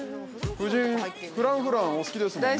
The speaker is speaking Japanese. ◆夫人、フランフランお好きですもんね。